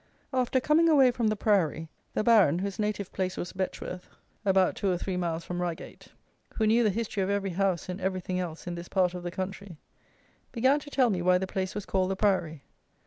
After coming away from the Priory, the Baron (whose native place was Betchworth, about two or three miles from Reigate) who knew the history of every house and every thing else in this part of the country, began to tell me why the place was called the Priory.